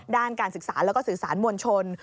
ด้านการศึกษาและการศึกษามวลชน